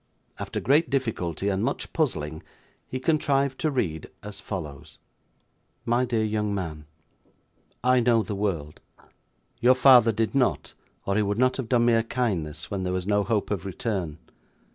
After great difficulty and much puzzling, he contrived to read as follows: My dear young Man. I know the world. Your father did not, or he would not have done me a kindness when there was no hope of return.